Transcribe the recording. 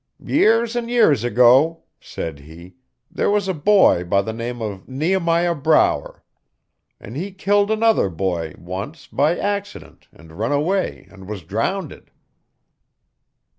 'Years and years ago,' said he, 'there was a boy by the name of Nehemiah Brower. An' he killed another boy, once, by accident an' run away an' was drownded.'